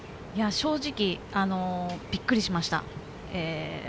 正直びっくりしました。